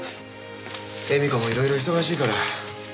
絵美子もいろいろ忙しいから。